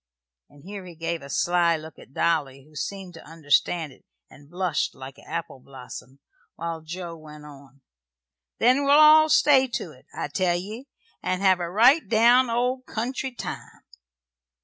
and here he gave a sly look at Dolly, who seemed to understand it and blushed like an apple blossom, while Joe went on: "Then we'll all stay to 't, I tell ye, and have a right down old country time."